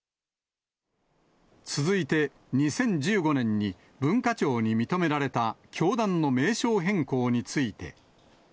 続いて、２０１５年に文化庁に認められた教団の名称変更について。